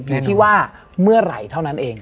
อยู่ที่ว่าเมื่อไหร่เท่านั้นเอง